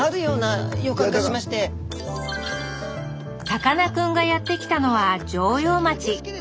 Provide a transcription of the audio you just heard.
さかなクンがやって来たのは上陽町。